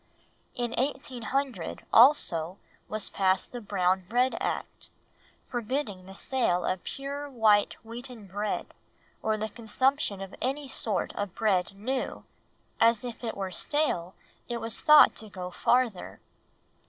In 1800, also, was passed the Brown Bread Act, forbidding the sale of pure white wheaten bread, or the consumption of any sort of bread new, as if it were stale it was thought it would go farther.